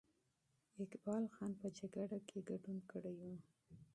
اقبال خان په جنګ کې ګډون کړی وو.